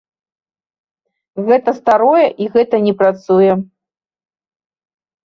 Гэта старое і гэта не працуе.